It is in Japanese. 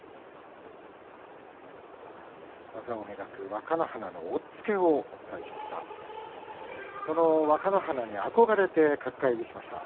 若乃花の押っつけをお伝えしました。